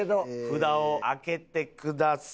札を上げてください。